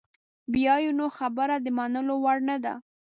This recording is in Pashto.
بیا یې نو خبره د منلو وړ نده.